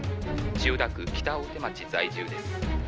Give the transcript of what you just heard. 「千代田区北大手町在住です」